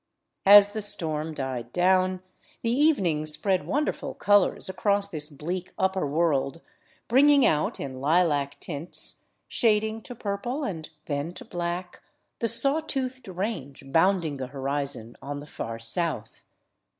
As the storm died down, the evening spread wonderful colors across this bleak upper world, bringing out in lilac tints, shading to purple and then to black, the saw toothed range bound ing the horizon on the far south.